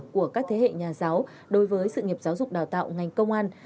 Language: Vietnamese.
của các thế hệ nhà giáo đối với sự nghiệp giáo dục đào tạo ngành công an